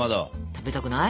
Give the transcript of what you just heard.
食べたくない？